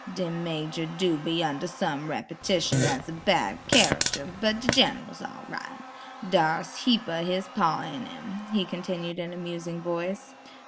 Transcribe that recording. "De major do be under some repetition as a bad character, but de Gin'ral's all right. Dar's heap o' his paw in 'im," he continued in a musing voice.